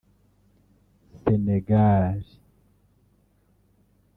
Sénégal